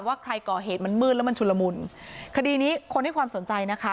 ว่าใครก่อเหตุมันมืดแล้วมันชุนละมุนคดีนี้คนให้ความสนใจนะคะ